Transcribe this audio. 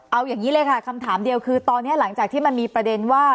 เอาอย่างนี้เลยค่ะคำถามเดียวคือตอนนี้หลังจากที่มันมีประเด็นว่า